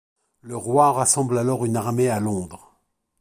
Le roi rassemble alors une armée à Londres.